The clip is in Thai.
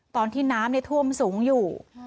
ตอนที่น้ำท่วมสูงอยู่